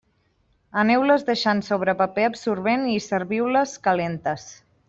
Aneu-les deixant sobre paper absorbent i serviu-les calentes.